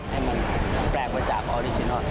ให้มันแปลกมาจากออริจินัล